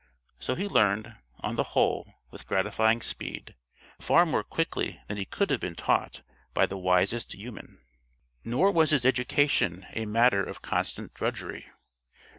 So he learned, on the whole, with gratifying speed far more quickly than he could have been taught by the wisest human. Nor was his education a matter of constant drudgery.